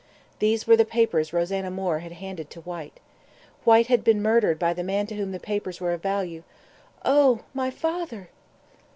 These were the papers Rosanna Moore had handed to Whyte. Whyte had been murdered by the man to whom the papers were of value "Oh! My father!"